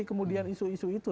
kemudian isu isu itu